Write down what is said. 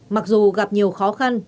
mặc dù gặp nhiều khó khăn